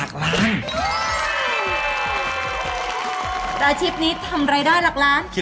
ใครจะเซอร์ไพรส์เธอนะไม่มี